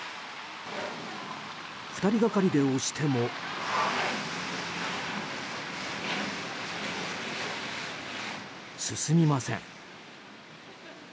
２人がかりで押しても進みません。